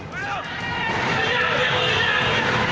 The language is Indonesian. jalan jalan men